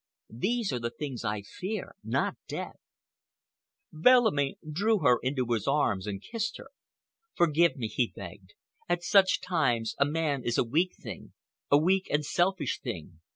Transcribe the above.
These are the things I fear—not death." Bellamy drew her into his arms and kissed her. "Forgive me," he begged. "At such times a man is a weak thing—a weak and selfish thing.